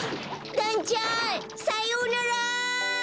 だんちゃんさようなら！